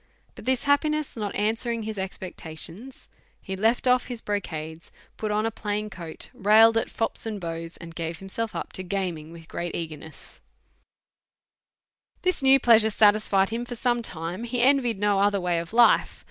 But this hap piness not answering his expectations, he left oif his brocades, put on a plain coat, railed at fops and beaux, and gave himself up to gaming with great ea g erness, DEVOUT AND HOLY LIFE. 135 This new pleasure satisfied him for some time ; he envied no other way of life.